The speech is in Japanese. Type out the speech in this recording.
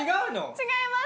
違います